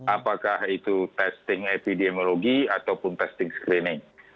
apakah itu testing epidemiologi ataupun testing screening